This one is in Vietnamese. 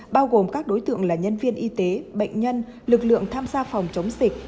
bao gồm các đối tượng là nhân viên y tế bệnh nhân lực lượng tham gia phòng chống dịch